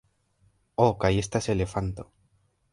Oh kaj estas elefanto